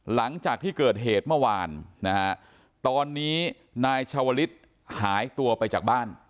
หลังจากที่เกิดเหตุเมื่อวานนะฮะตอนนี้นายชาวลิศหายตัวไปจากบ้าน